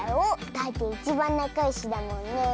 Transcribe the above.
だっていちばんなかよしだもんねえ。